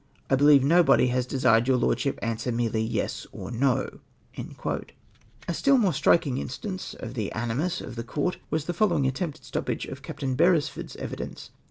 —"/ believe nobody has desired your Lordship to ansiver merely 'Yes' or 'KoP" A still more striking instance of the animus of the Comt was the following attempted stoppage of Captain Beresford's evidence.